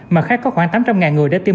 mà khác có khoảng tám trăm linh người đã tiêm